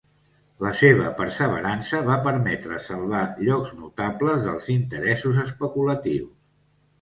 La seva perseverança va permetre salvar llocs notables dels interessos especulatius.